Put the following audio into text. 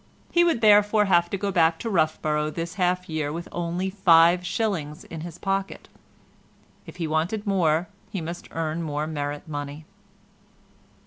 He would therefore have to go back to Roughborough this half year with only five shillings' pocket money. If he wanted more he must earn more merit money.